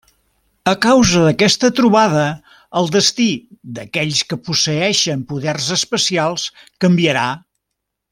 A causa d'aquesta trobada, el destí d'aquells que posseeixen poders especials canviarà.